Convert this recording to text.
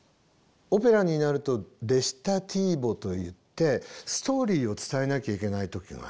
オペラになるとレチタティーボといってストーリーを伝えなきゃいけない時がある。